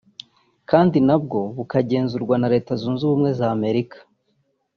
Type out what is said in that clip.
kandi na bwo bukagenzurwa na Leta zunze Ubumwe za Amerika